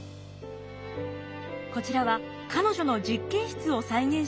こちらは彼女の実験室を再現した部屋。